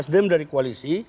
karena nasdem dari koalisi